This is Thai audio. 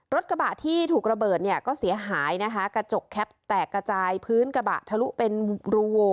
รถกระบะที่ถูกระเบิดเนี่ยก็เสียหายนะคะกระจกแคปแตกกระจายพื้นกระบะทะลุเป็นรูโว